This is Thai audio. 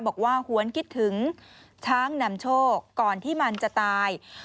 หวนคิดถึงช้างนำโชคก่อนที่มันจะตาย